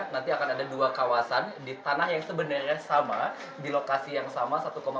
nanti akan ada dua kawasan di tanah yang sebenarnya sama di lokasi yang sama satu empat hektare untuk dpo rupiah